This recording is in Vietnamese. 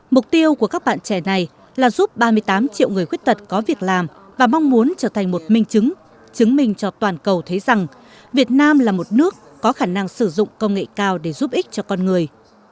mục tiêu của các bạn trẻ này là giúp ba mươi tám triệu người khuyết tật có việc làm và mong muốn trở thành một minh chứng chứng minh cho toàn cầu thấy rằng việt nam là một nước có khả năng sử dụng công nghệ cao để giúp ích cho con người